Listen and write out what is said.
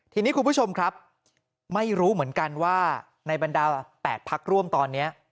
ทีนี้คุณผู้ชมครับไม่รู้เหมือนกันว่าในบรรดา๘พักร่วมตอนนี้